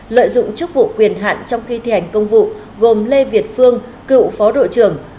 lợi dụng chức vụ quyền hạn trong khi thi hành công vụ gồm lê việt phương cựu phó đội trưởng